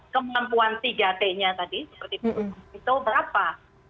kemampuan tiga t nya tadi seperti burung itu berapa